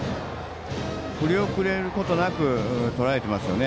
振り遅れることなくとらえています。